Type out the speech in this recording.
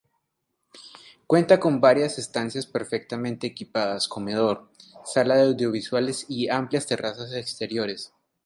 Cuenta con varias estancias perfectamente equipadas, comedor, sala de audiovisuales y amplias terrazas exteriores.